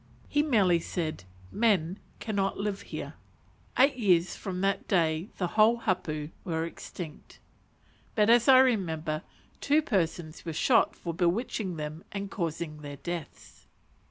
He merely said, "men cannot live here." Eight years from that day the whole hapu were extinct; but, as I remember, two persons were shot for bewitching them and causing their deaths.